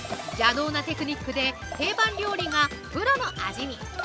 邪道なテクニックで定番料理がプロの味に！